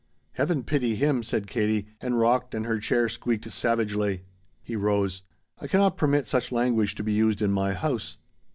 "Heaven pity Him!" said Katie, and rocked and her chair squeaked savagely. He rose. "I cannot permit such language to be used in my house."